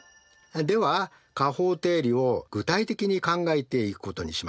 では加法定理を具体例に考えていくことにしましょう。